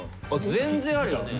全然あるよね。